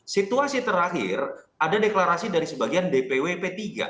situasi terakhir ada deklarasi dari sebagian dpw p tiga